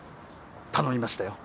頼みましたよ。